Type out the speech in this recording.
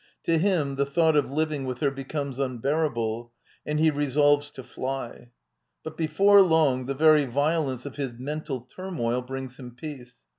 To him the thought of living / with her becomes unbearable, and he resolves to fly. j But before long the very violence of his mental / tunnoil brings him peace.